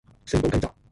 四寶雞扎